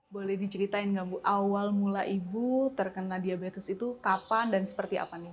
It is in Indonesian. boleh diceritain awal mula ibu terkena diabetes itu kapan dan seperti apa